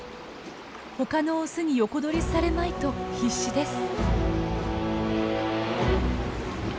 他のオスに横取りされまいと必死です。